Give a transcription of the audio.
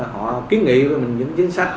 họ kiến nghị với mình những chính sách